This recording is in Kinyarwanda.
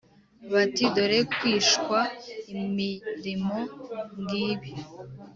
Bati: "Dore kwishwa imirimo ngibi!